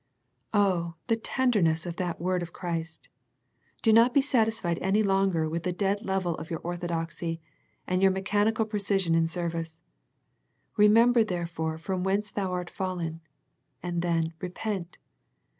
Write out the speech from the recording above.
Oh, the tender ness of that word of Christ. Do not be satis fied any longer with the dead level of your orthodoxy, and your mechanical pre5sion in service. " Remember therefore from whence thou art fallen." And then " repent."